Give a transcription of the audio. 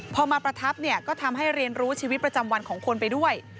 พอมาประทับเนี่ยก็ทำให้เรียนรู้ชีวิตประจำวันของคนไปด้วย